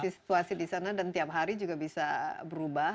situasi di sana dan tiap hari juga bisa berubah